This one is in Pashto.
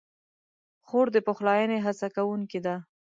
خور د پخلاینې هڅه کوونکې ده.